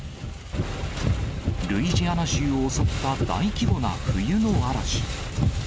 ルイジアナ州を襲った大規模な冬の嵐。